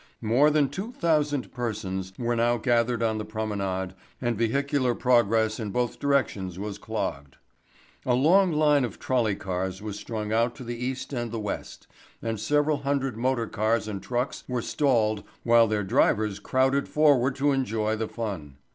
More than two thousand persons were now gathered on the promenade and vehicular progress in both directions was clogged. A long line of trolley cars was strung out to the east and the west, and several hundred motor cars and trucks were stalled while their drivers crowded forward to enjoy the fun.